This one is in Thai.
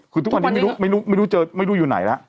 คือทุกวันนี้ไม่รู้เจอไม่รู้อยู่ไหนแล้ว